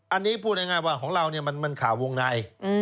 อันนี้พูดง่ายว่าของเรามันข่าววงใน